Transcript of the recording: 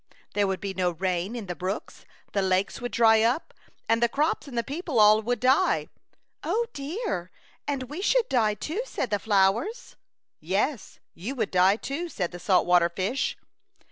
There would be no rain in the brooks, the lakes would dry up, and the crops and the people all would die.*' "O dear! and we should die too,*' said the flowers. 92 A Chautauqua Idyl. " Yes, you would die, too," said the salt water fish.